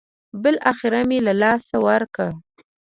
بالاخره مې له لاسه ورکړ.